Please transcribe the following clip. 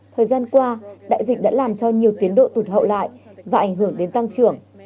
thời gian qua đại dịch đã làm cho nhiều tiến độ tụt hậu lại và ảnh hưởng đến tăng trưởng